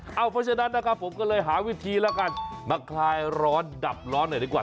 เพราะฉะนั้นนะครับผมก็เลยหาวิธีแล้วกันมาคลายร้อนดับร้อนหน่อยดีกว่า